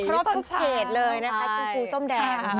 ครบทุกเฉดเลยนะคะชมพูส้มแดง